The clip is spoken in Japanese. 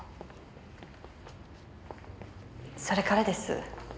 それからです。